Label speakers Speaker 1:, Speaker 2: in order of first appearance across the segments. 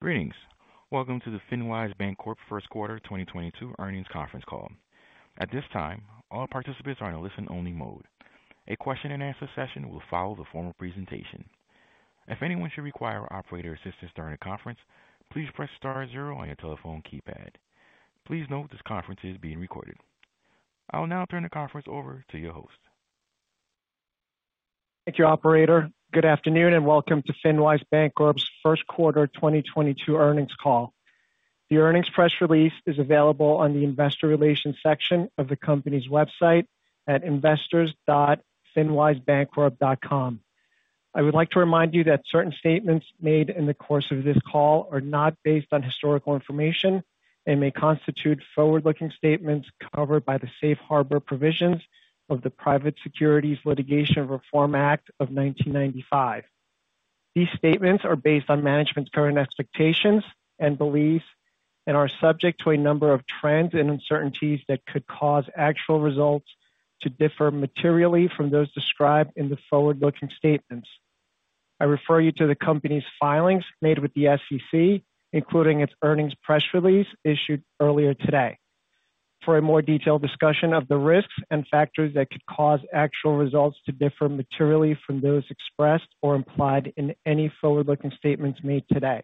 Speaker 1: Greetings. Welcome to the FinWise Bancorp Q1 2022 earnings conference call. At this time, all participants are in a listen-only mode. A Q&A session will follow the formal presentation. If anyone should require operator assistance during the conference, please press star zero on your telephone keypad. Please note this conference is being recorded. I'll now turn the conference over to your host.
Speaker 2: Thank you, operator. Good afternoon, and welcome to FinWise Bancorp's Q1 2022 earnings call. The earnings press release is available on the investor relations section of the company's website at investors.finwisebancorp.com. I would like to remind you that certain statements made in the course of this call are not based on historical information and may constitute forward-looking statements covered by the safe harbor provisions of the Private Securities Litigation Reform Act of 1995. These statements are based on management's current expectations and beliefs and are subject to a number of trends and uncertainties that could cause actual results to differ materially from those described in the forward-looking statements. I refer you to the company's filings made with the SEC, including its earnings press release issued earlier today for a more detailed discussion of the risks and factors that could cause actual results to differ materially from those expressed or implied in any forward-looking statements made today.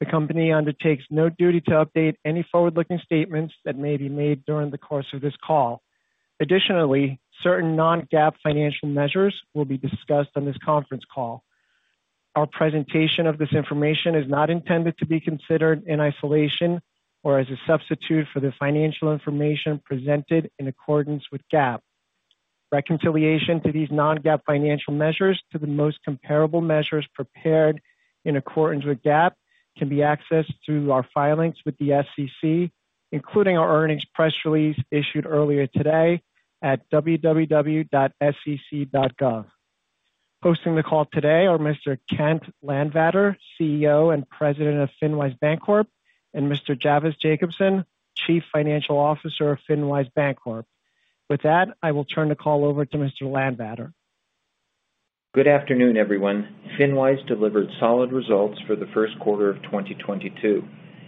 Speaker 2: The company undertakes no duty to update any forward-looking statements that may be made during the course of this call. Additionally, certain non-GAAP financial measures will be discussed on this conference call. Our presentation of this information is not intended to be considered in isolation or as a substitute for the financial information presented in accordance with GAAP. Reconciliation to these non-GAAP financial measures to the most comparable measures prepared in accordance with GAAP can be accessed through our filings with the SEC, including our earnings press release issued earlier today at www.sec.gov. Hosting the call today are Mr. Kent Landvatter, CEO and President of FinWise Bancorp, and Mr. Javvis Jacobson, Chief Financial Officer of FinWise Bancorp. With that, I will turn the call over to Mr. Landvatter.
Speaker 3: Good afternoon, everyone. FinWise delivered solid results for the Q1 of 2022,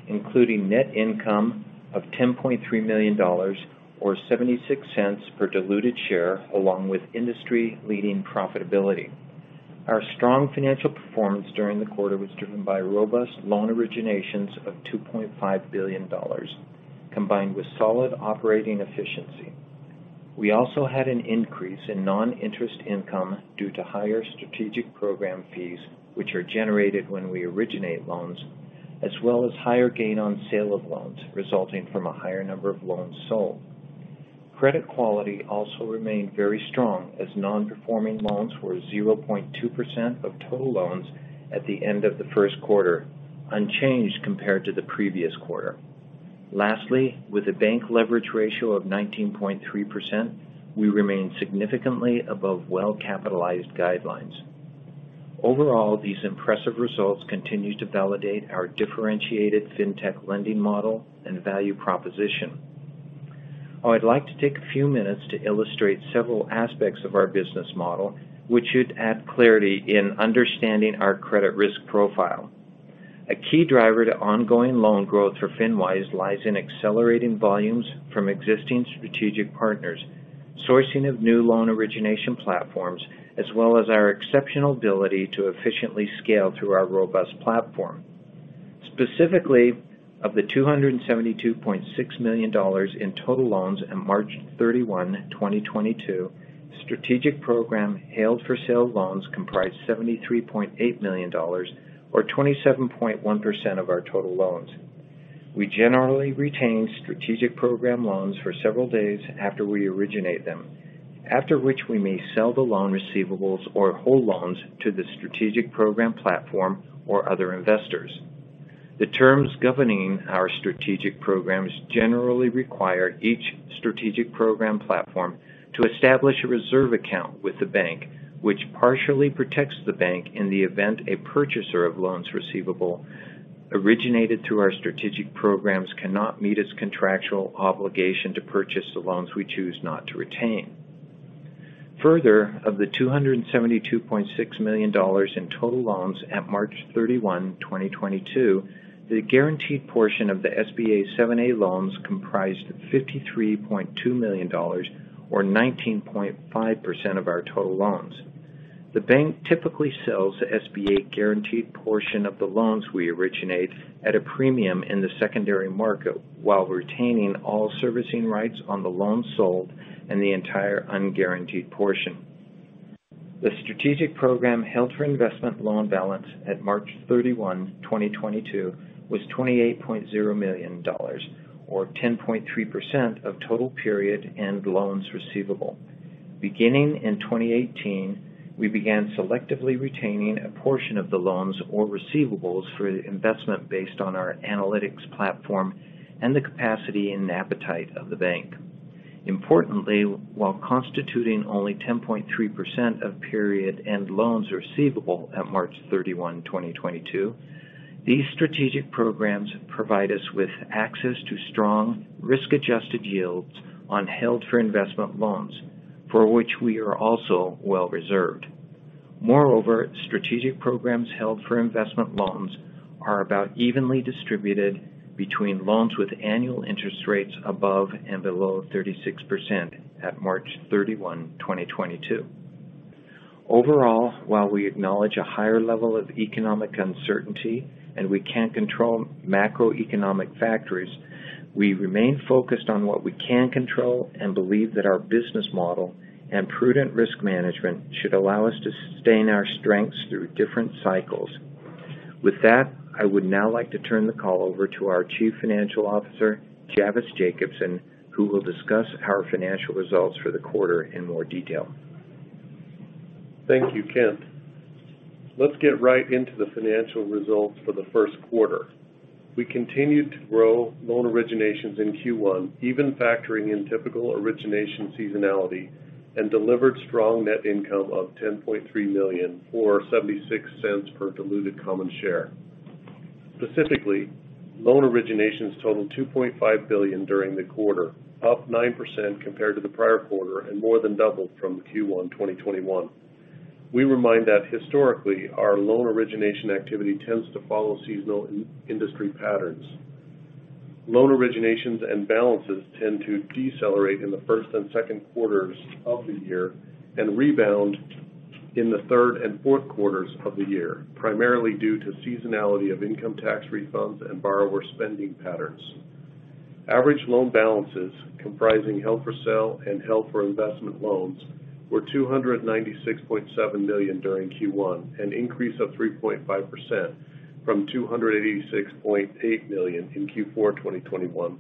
Speaker 3: including net income of $10.3 million or $0.76 per diluted share, along with industry-leading profitability. Our strong financial performance during the quarter was driven by robust loan originations of $2.5 billion, combined with solid operating efficiency. We also had an increase in non-interest income due to higher strategic program fees, which are generated when we originate loans, as well as higher gain on sale of loans resulting from a higher number of loans sold. Credit quality also remained very strong as non-performing loans were 0.2% of total loans at the end of the Q1, unchanged compared to the previous quarter. Lastly, with a bank leverage ratio of 19.3%, we remain significantly above well-capitalized guidelines. Overall, these impressive results continue to validate our differentiated fintech lending model and value proposition. I'd like to take a few minutes to illustrate several aspects of our business model, which should add clarity in understanding our credit risk profile. A key driver to ongoing loan growth for FinWise lies in accelerating volumes from existing strategic partners, sourcing of new loan origination platforms, as well as our exceptional ability to efficiently scale through our robust platform. Specifically, of the $272.6 million in total loans on March 31, 2022, Strategic Program held for sale loans comprised $73.8 million, or 27.1% of our total loans. We generally retain Strategic Program loans for several days after we originate them. After which we may sell the loan receivables or hold loans to the Strategic Program platform or other investors. The terms governing our strategic programs generally require each strategic program platform to establish a reserve account with the bank, which partially protects the bank in the event a purchaser of loans receivable originated through our strategic programs cannot meet its contractual obligation to purchase the loans we choose not to retain. Further, of the $272.6 million in total loans at March 31, 2022, the guaranteed portion of the SBA 7(a) loans comprised $53.2 million or 19.5% of our total loans. The bank typically sells the SBA guaranteed portion of the loans we originate at a premium in the secondary market while retaining all servicing rights on the loan sold and the entire unguaranteed portion. The Strategic Program held for investment loan balance at March 31, 2022 was $28.0 million or 10.3% of total period-end loans receivable. Beginning in 2018, we began selectively retaining a portion of the loans or receivables for investment based on our analytics platform and the capacity and appetite of the bank. Importantly, while constituting only 10.3% of period-end loans receivable at March 31, 2022, these Strategic Programs provide us with access to strong risk-adjusted yields on held for investment loans, for which we are also well reserved. Moreover, Strategic Programs held for investment loans are about evenly distributed between loans with annual interest rates above and below 36% at March 31, 2022. Overall, while we acknowledge a higher level of economic uncertainty and we can't control macroeconomic factors, we remain focused on what we can control and believe that our business model and prudent risk management should allow us to sustain our strengths through different cycles. With that, I would now like to turn the call over to our Chief Financial Officer, Javvis Jacobson, who will discuss our financial results for the quarter in more detail.
Speaker 4: Thank you, Kent. Let's get right into the financial results for the Q1. We continued to grow loan originations in Q1, even factoring in typical origination seasonality, and delivered strong net income of $10.3 million, or $0.76 per diluted common share. Specifically, loan originations totaled $2.5 billion during the quarter, up 9% compared to the prior quarter and more than doubled from Q1 2021. We remind that historically, our loan origination activity tends to follow seasonal in-industry patterns. Loan originations and balances tend to decelerate in the first and Q2 of the year and rebound in the Q3 and Q4 of the year, primarily due to seasonality of income tax refunds and borrower spending patterns. Average loan balances comprising held for sale and held for investment loans were $296.7 million during Q1, an increase of 3.5% from $286.8 million in Q4 2021,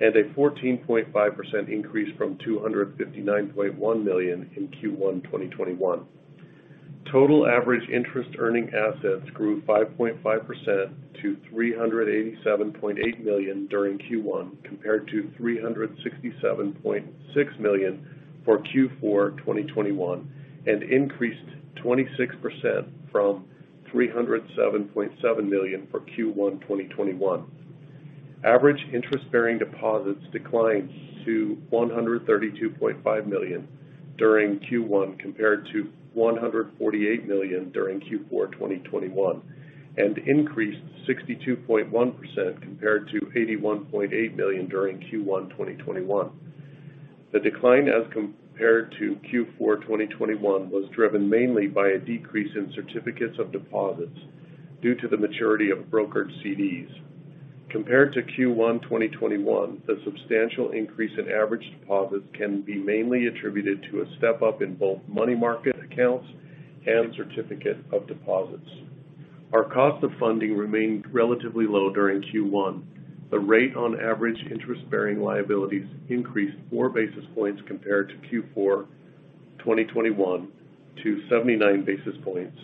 Speaker 4: and a 14.5% increase from $259.1 million in Q1 2021. Total average interest earning assets grew 5.5% to $387.8 million during Q1 compared to $367.6 million for Q4 2021, and increased 26% from $307.7 million for Q1 2021. Average interest-bearing deposits declined to $132.5 million during Q1 compared to $148 million during Q4 2021, and increased 62.1% compared to $81.8 million during Q1 2021. The decline as compared to Q4 2021 was driven mainly by a decrease in certificates of deposits due to the maturity of brokered CDs. Compared to Q1 2021, the substantial increase in average deposits can be mainly attributed to a step-up in both money market accounts and certificate of deposits. Our cost of funding remained relatively low during Q1. The rate on average interest-bearing liabilities increased 4 basis points compared to Q4 2021 to 79 basis points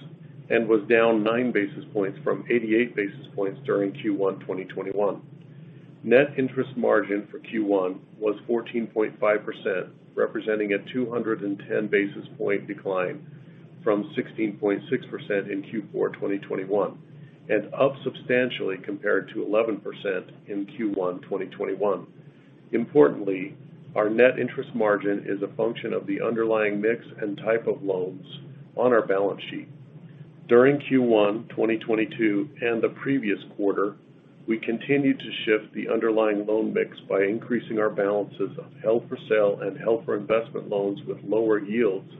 Speaker 4: and was down 9 basis points from 88 basis points during Q1 2021. Net interest margin for Q1 was 14.5%, representing a 210 basis point decline from 16.6% in Q4 2021, and up substantially compared to 11% in Q1 2021. Importantly, our net interest margin is a function of the underlying mix and type of loans on our balance sheet. During Q1 2022 and the previous quarter, we continued to shift the underlying loan mix by increasing our balances of held for sale and held for investment loans with lower yields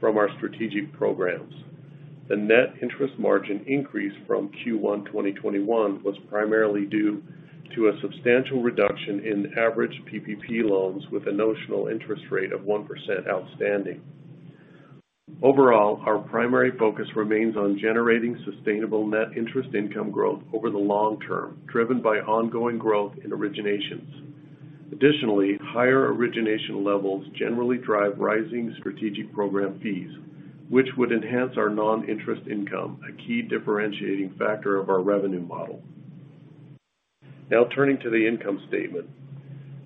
Speaker 4: from our strategic programs. The net interest margin increase from Q1 2021 was primarily due to a substantial reduction in average PPP loans with a notional interest rate of 1% outstanding. Overall, our primary focus remains on generating sustainable net interest income growth over the long term, driven by ongoing growth in originations. Additionally, higher origination levels generally drive rising strategic program fees, which would enhance our non-interest income, a key differentiating factor of our revenue model. Now turning to the income statement.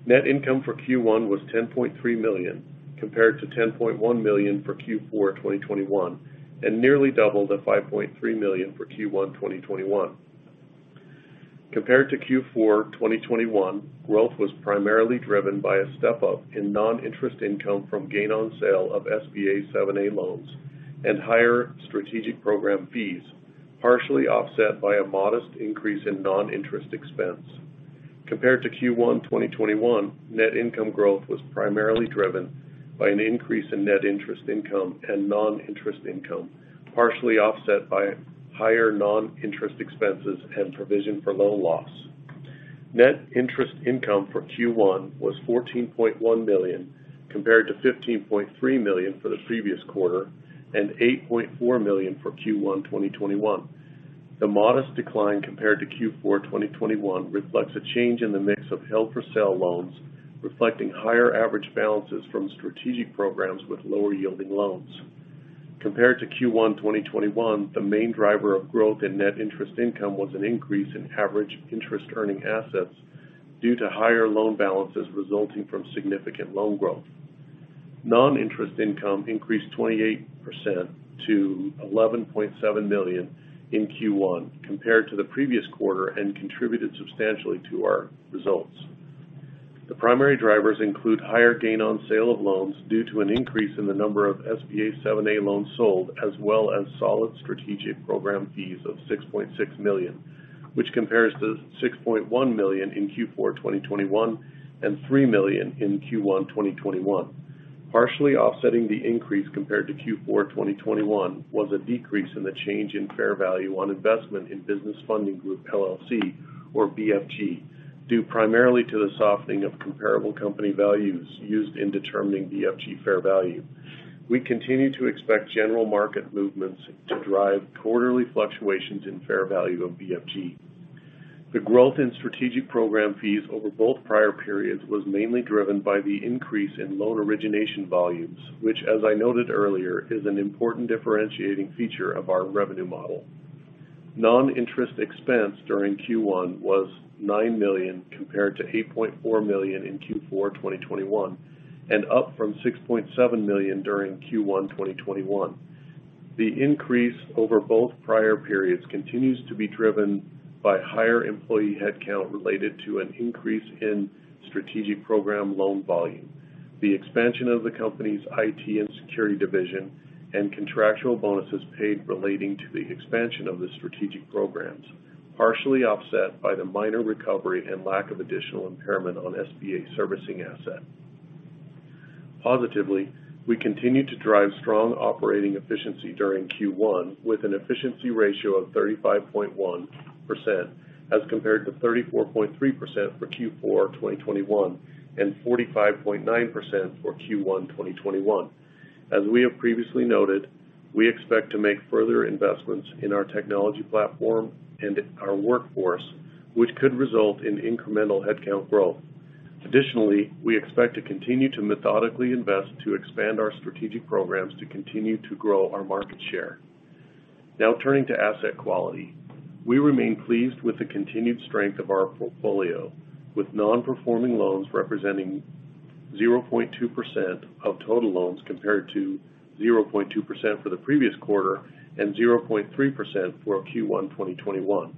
Speaker 4: Net income for Q1 was $10.3 million, compared to $10.1 million for Q4 2021, and nearly doubled at $5.3 million for Q1 2021. Compared to Q4 2021, growth was primarily driven by a step-up in non-interest income from gain on sale of SBA 7(a) loans and higher strategic program fees, partially offset by a modest increase in non-interest expense. Compared to Q1 2021, net income growth was primarily driven by an increase in net interest income and non-interest income, partially offset by higher non-interest expenses and provision for loan loss. Net interest income for Q1 was $14.1 million, compared to $15.3 million for the previous quarter and $8.4 million for Q1 2021. The modest decline compared to Q4 2021 reflects a change in the mix of held for sale loans, reflecting higher average balances from strategic programs with lower yielding loans. Compared to Q1 2021, the main driver of growth in net interest income was an increase in average interest earning assets due to higher loan balances resulting from significant loan growth. Non-interest income increased 28% to $11.7 million in Q1 compared to the previous quarter and contributed substantially to our results. The primary drivers include higher gain on sale of loans due to an increase in the number of SBA 7(a) loans sold, as well as solid strategic program fees of $6.6 million, which compares to $6.1 million in Q4 2021 and $3 million in Q1 2021. Partially offsetting the increase compared to Q4 2021 was a decrease in the change in fair value on investment in Business Funding Group, LLC or BFG, due primarily to the softening of comparable company values used in determining BFG fair value. We continue to expect general market movements to drive quarterly fluctuations in fair value of BFG. The growth in strategic program fees over both prior periods was mainly driven by the increase in loan origination volumes, which as I noted earlier, is an important differentiating feature of our revenue model. Non-interest expense during Q1 was $9 million compared to $8.4 million in Q4 2021 and up from $6.7 million during Q1 2021. The increase over both prior periods continues to be driven by higher employee headcount related to an increase in strategic program loan volume. The expansion of the company's IT and security division and contractual bonuses paid relating to the expansion of the strategic programs, partially offset by the minor recovery and lack of additional impairment on SBA servicing asset. Positively, we continue to drive strong operating efficiency during Q1 with an efficiency ratio of 35.1% as compared to 34.3% for Q4 2021 and 45.9% for Q1 2021. As we have previously noted, we expect to make further investments in our technology platform and our workforce, which could result in incremental headcount growth. Additionally, we expect to continue to methodically invest to expand our strategic programs to continue to grow our market share. Now turning to asset quality. We remain pleased with the continued strength of our portfolio, with non-performing loans representing 0.2% of total loans compared to 0.2% for the previous quarter and 0.3% for Q1 2021.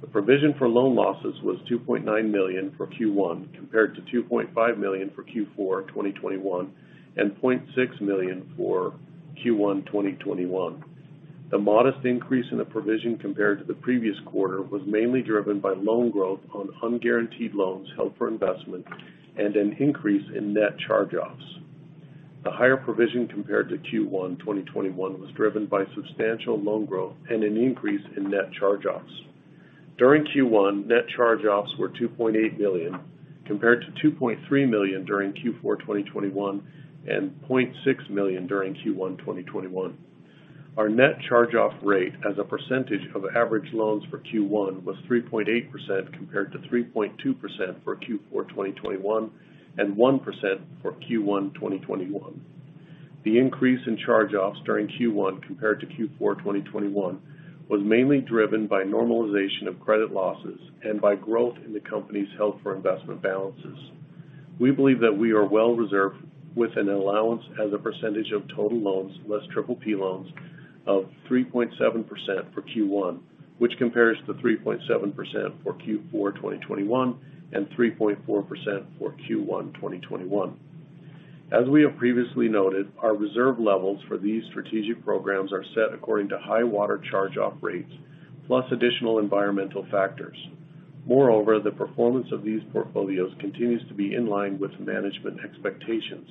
Speaker 4: The provision for loan losses was $2.9 million for Q1 compared to $2.5 million for Q4 2021 and $0.6 million for Q1 2021. The modest increase in the provision compared to the previous quarter was mainly driven by loan growth on unguaranteed loans held for investment and an increase in net charge-offs. The higher provision compared to Q1 2021 was driven by substantial loan growth and an increase in net charge-offs. During Q1, net charge-offs were $2.8 million, compared to $2.3 million during Q4 2021 and $0.6 million during Q1 2021. Our net charge-off rate as a percentage of average loans for Q1 was 3.8% compared to 3.2% for Q4 2021 and 1% for Q1 2021. The increase in charge-offs during Q1 compared to Q4 2021 was mainly driven by normalization of credit losses and by growth in the company's held for investment balances. We believe that we are well reserved with an allowance as a percentage of total loans less PPP loans of 3.7% for Q1, which compares to 3.7% for Q4 2021 and 3.4% for Q1 2021. As we have previously noted, our reserve levels for these strategic programs are set according to high water charge-off rates plus additional environmental factors. Moreover, the performance of these portfolios continues to be in line with management expectations.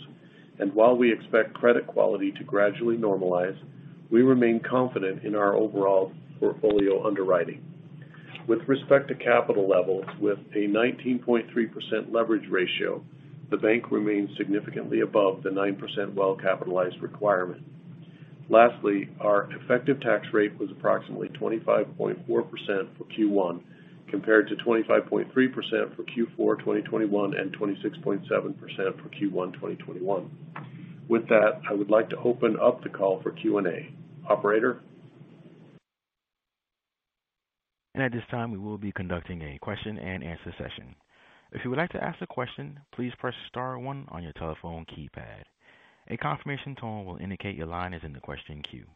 Speaker 4: While we expect credit quality to gradually normalize, we remain confident in our overall portfolio underwriting. With respect to capital levels with a 19.3% leverage ratio, the bank remains significantly above the 9% well-capitalized requirement. Lastly, our effective tax rate was approximately 25.4% for Q1 compared to 25.3% for Q4 2021 and 26.7% for Q1 2021. With that, I would like to open up the call for Q&A. Operator?
Speaker 1: At this time, we will be conducting a Q&A session. If you would like to ask a question, please press star one on your telephone keypad. A confirmation tone will indicate your line is in the question queue.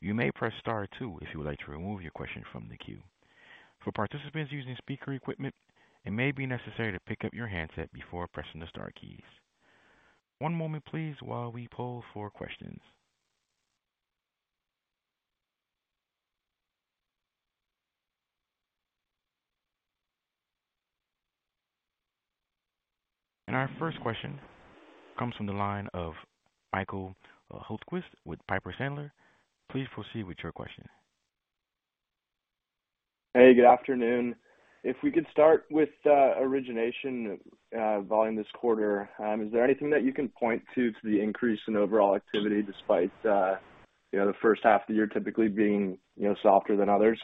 Speaker 1: You may press star two if you would like to remove your question from the queue. For participants using speaker equipment, it may be necessary to pick up your handset before pressing the star keys. One moment please while we poll for questions. Our first question comes from the line of Michael Hultquist with Piper Sandler. Please proceed with your question.
Speaker 5: Hey, good afternoon. If we could start with origination volume this quarter. Is there anything that you can point to the increase in overall activity despite you know the H1 of the year typically being you know softer than others?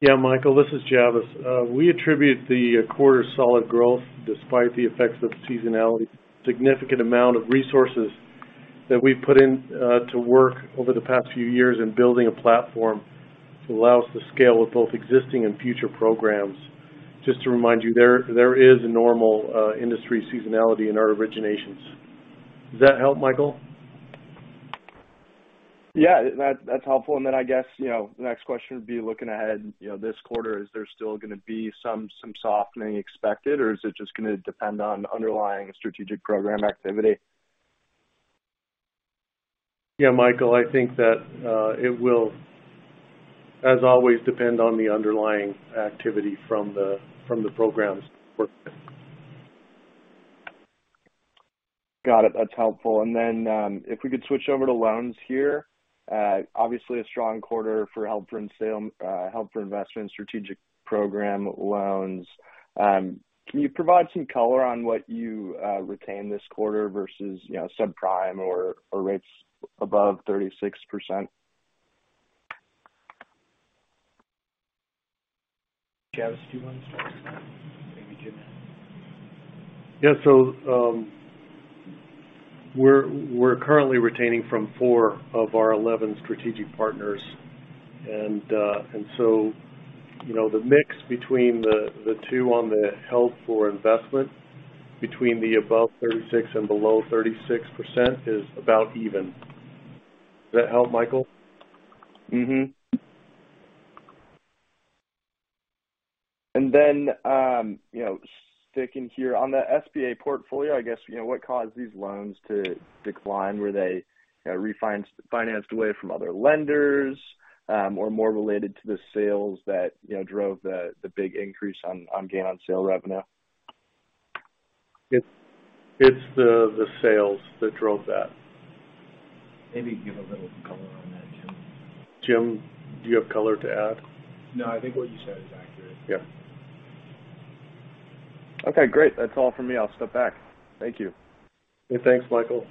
Speaker 4: Yeah, Michael, this is Javvis. We attribute the quarter's solid growth despite the effects of seasonality, significant amount of resources that we've put in to work over the past few years in building a platform to allow us to scale with both existing and future programs. Just to remind you, there is a normal industry seasonality in our originations. Does that help, Michael?
Speaker 5: Yeah, that's helpful. I guess, you know, the next question would be looking ahead, you know, this quarter, is there still gonna be some softening expected, or is it just gonna depend on underlying strategic program activity?
Speaker 4: Yeah, Michael, I think that it will, as always, depend on the underlying activity from the programs for it.
Speaker 5: Got it. That's helpful. If we could switch over to loans here. Obviously a strong quarter for held-for-investment strategic program loans. Can you provide some color on what you retained this quarter versus, you know, subprime or rates above 36%?
Speaker 3: Javvis, do you want to start? Maybe Jim. Yeah. We're currently retaining from 4 of our 11 strategic partners. You know, the mix between the two on the held for investment between the above 36% and below 36% is about even. Does that help, Michael?
Speaker 5: Mm-hmm. You know, sticking here. On the SBA portfolio, I guess, you know, what caused these loans to decline? Were they, you know, financed away from other lenders, or more related to the sales that, you know, drove the big increase on gain on sale revenue?
Speaker 4: It's the sales that drove that.
Speaker 3: Maybe give a little color on that, Jim.
Speaker 4: Jim, do you have color to add?
Speaker 6: No, I think what you said is accurate.
Speaker 4: Yeah.
Speaker 5: Okay, great. That's all for me. I'll step back. Thank you.
Speaker 4: Okay, thanks, Michael.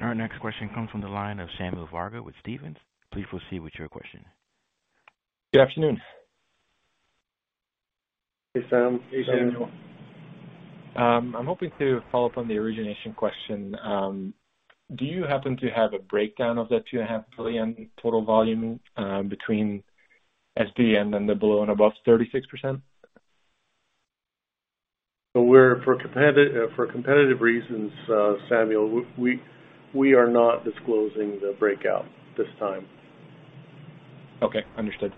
Speaker 1: Our next question comes from the line of Samuel Varga with Stephens. Please proceed with your question.
Speaker 7: Good afternoon.
Speaker 4: Hey, Sam.
Speaker 6: Hey, Sam.
Speaker 4: How are you doing?
Speaker 7: I'm hoping to follow up on the origination question. Do you happen to have a breakdown of that $2.5 billion total volume, between SBA and then the below and above 36%?
Speaker 4: For competitive reasons, Samuel, we are not disclosing the breakout this time.
Speaker 7: Okay. Understood.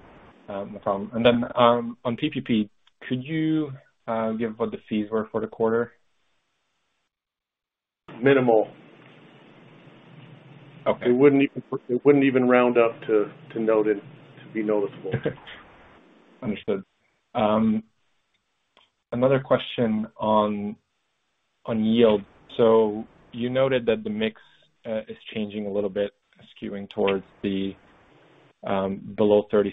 Speaker 7: No problem. Then, on PPP, could you give what the fees were for the quarter?
Speaker 4: Minimal.
Speaker 7: Okay.
Speaker 4: It wouldn't even round up to be noticeable.
Speaker 7: Understood. Another question on yield. You noted that the mix is changing a little bit, skewing towards the below 36%.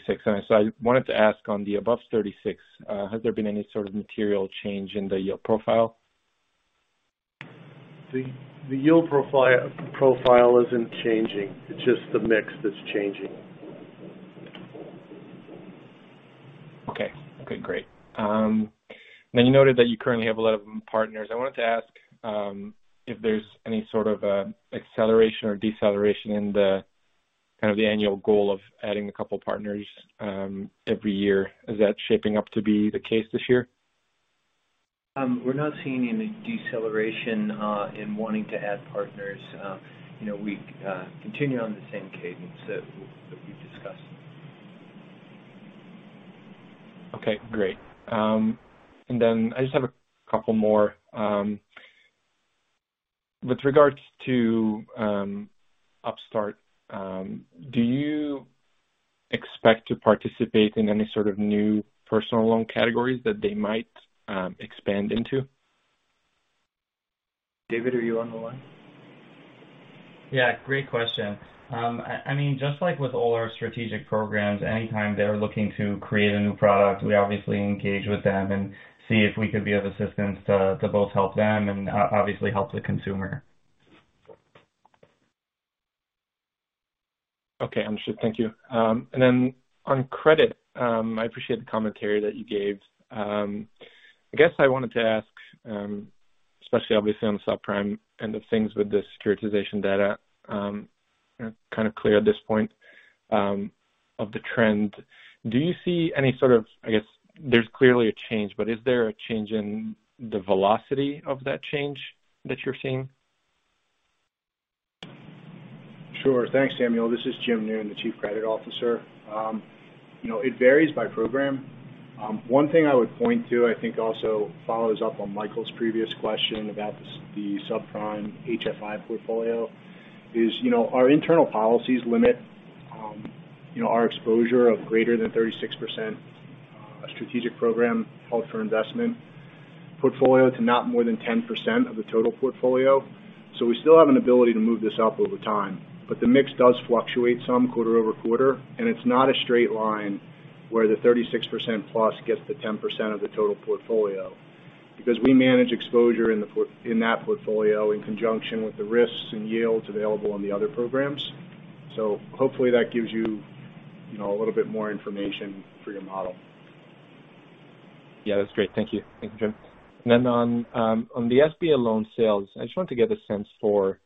Speaker 7: I wanted to ask on the above 36%, has there been any sort of material change in the yield profile?
Speaker 4: The yield profile isn't changing. It's just the mix that's changing.
Speaker 7: Okay, great. You noted that you currently have a lot of partners. I wanted to ask if there's any sort of acceleration or deceleration in the kind of the annual goal of adding a couple partners every year. Is that shaping up to be the case this year?
Speaker 6: We're not seeing any deceleration in wanting to add partners. You know, we continue on the same cadence that we've discussed.
Speaker 7: Okay, great. I just have a couple more. With regards to Upstart, do you expect to participate in any sort of new personal loan categories that they might expand into?
Speaker 4: David, are you on the line?
Speaker 8: Yeah, great question. I mean, just like with all our strategic programs, anytime they're looking to create a new product, we obviously engage with them and see if we could be of assistance to both help them and obviously help the consumer.
Speaker 7: Okay. Understood. Thank you. On credit, I appreciate the commentary that you gave. I guess I wanted to ask, especially, obviously on the subprime end of things with the securitization data, you know, kind of clear at this point of the trend. Do you see any sort of, I guess there's clearly a change, but is there a change in the velocity of that change that you're seeing?
Speaker 6: Sure. Thanks, Samuel. This is Jim Noone, the Chief Credit Officer. You know, it varies by program. One thing I would point to, I think, also follows up on Michael's previous question about the subprime HFI portfolio is, you know, our internal policies limit, you know, our exposure of greater than 36%, strategic program held-for-investment portfolio to not more than 10% of the total portfolio. We still have an ability to move this up over time. The mix does fluctuate some quarter-over-quarter, and it's not a straight line where the 36%+ gets the 10% of the total portfolio because we manage exposure in that portfolio in conjunction with the risks and yields available on the other programs. Hopefully that gives you know, a little bit more information for your model.
Speaker 7: Yeah, that's great. Thank you. Thank you, Jim. Then on the SBA loan sales, I just wanted to get a sense for,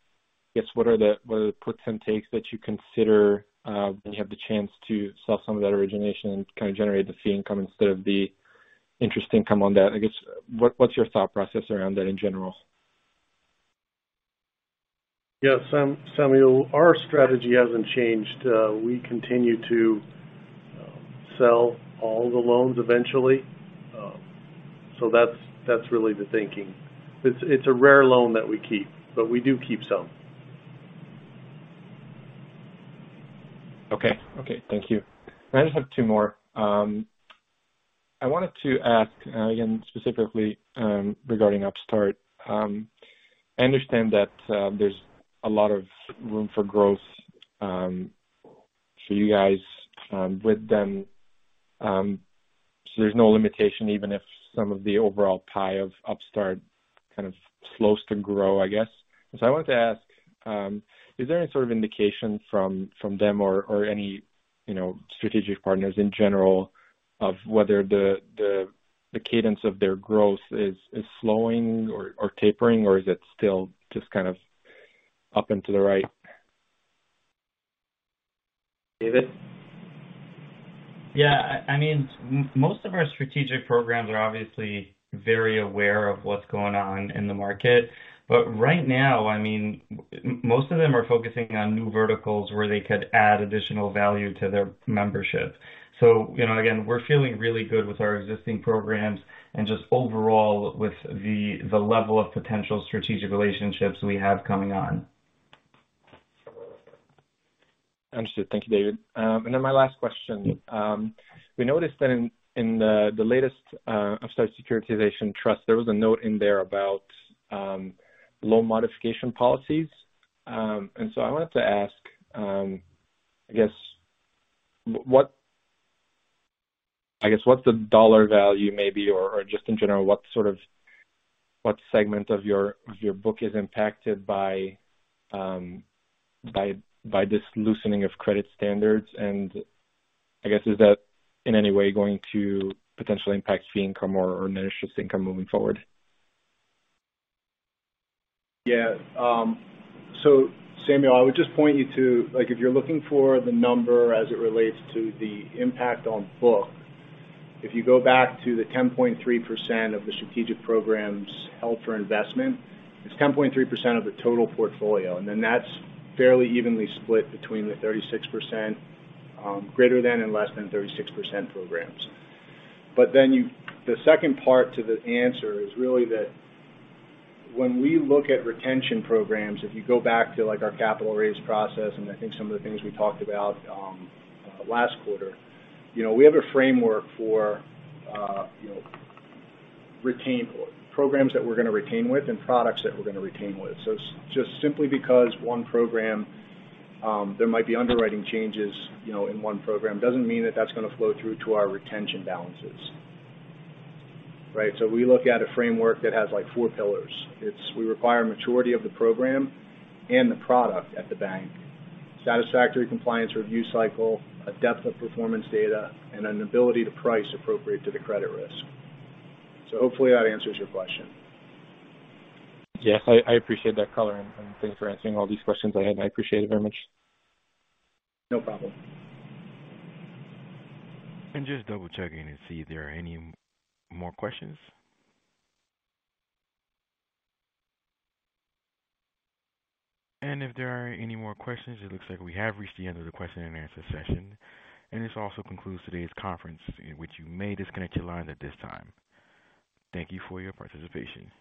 Speaker 7: I guess, what are the puts and takes that you consider when you have the chance to sell some of that origination and kind of generate the fee income. Interesting comment on that. I guess, what's your thought process around that in general?
Speaker 6: Yes, Samuel, our strategy hasn't changed. We continue to sell all the loans eventually. That's really the thinking. It's a rare loan that we keep, but we do keep some.
Speaker 7: Okay. Okay, thank you. I just have two more. I wanted to ask again, specifically, regarding Upstart. I understand that there's a lot of room for growth for you guys with them, so there's no limitation even if some of the overall pie of Upstart kind of slows to grow, I guess. I wanted to ask, is there any sort of indication from them or any, you know, strategic partners in general of whether the cadence of their growth is slowing or tapering, or is it still just kind of up and to the right?
Speaker 6: David?
Speaker 8: Yeah. I mean, most of our strategic programs are obviously very aware of what's going on in the market. Right now, I mean, most of them are focusing on new verticals where they could add additional value to their membership. You know, again, we're feeling really good with our existing programs and just overall with the level of potential strategic relationships we have coming on.
Speaker 7: Understood. Thank you, David. My last question. We noticed that in the latest Upstart securitization trust, there was a note in there about loan modification policies. I wanted to ask, I guess what's the dollar value maybe or just in general, what segment of your book is impacted by this loosening of credit standards? I guess, is that in any way going to potentially impact fee income or net interest income moving forward?
Speaker 6: Yeah. So Samuel, I would just point you to, like, if you're looking for the number as it relates to the impact on book, if you go back to the 10.3% of the strategic programs held for investment, it's 10.3% of the total portfolio, and then that's fairly evenly split between the 36%, greater than and less than 36% programs. The second part to the answer is really that when we look at retention programs, if you go back to, like, our capital raise process, and I think some of the things we talked about last quarter, you know, we have a framework for programs that we're gonna retain with and products that we're gonna retain with. Just simply because one program, there might be underwriting changes, you know, in one program, doesn't mean that that's gonna flow through to our retention balances. Right? We look at a framework that has, like, four pillars. It's we require maturity of the program and the product at the bank, satisfactory compliance review cycle, a depth of performance data, and an ability to price appropriate to the credit risk. Hopefully that answers your question.
Speaker 7: Yes. I appreciate that color, and thank you for answering all these questions I had. I appreciate it very much.
Speaker 6: No problem.
Speaker 1: I'm just double-checking to see if there are any more questions. If there aren't any more questions, it looks like we have reached the end of the Q&A session. This also concludes today's conference, in which you may disconnect your lines at this time. Thank you for your participation.